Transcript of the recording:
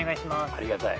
ありがたい。